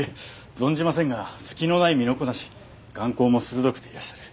存じませんが隙のない身のこなし眼光も鋭くていらっしゃる。